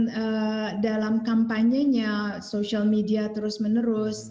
jadi inovasi dalam kampanye nya sosial media terus menerus